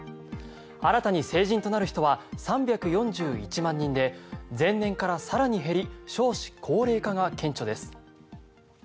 新たに成人となる人は３４１万人で前年から更に減り少子高齢化が顕著です。